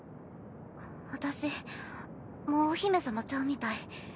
私もうお姫様ちゃうみたい。